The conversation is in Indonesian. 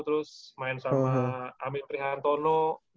terus main sama amitri hantono